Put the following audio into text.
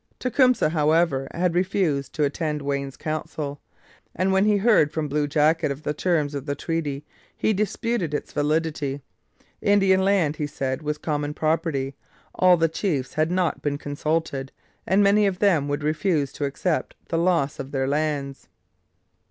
Tecumseh, however, had refused to attend Wayne's council, and when he heard from Blue Jacket of the terms of the treaty, he disputed its validity. Indian land, he said, was common property; all the chiefs had not been consulted, and many of them would refuse to accept the loss of their lands.